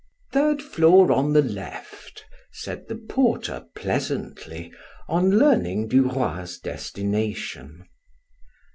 "Third floor on the left," said the porter pleasantly, on learning Duroy's destination.